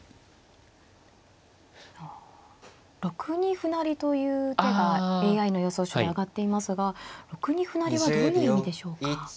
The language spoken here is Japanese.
あ６二歩成という手がＡＩの予想手に挙がっていますが６二歩成はどういう意味でしょうか。